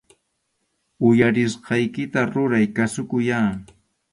Uyarisqaykita ruray, kasukuyyá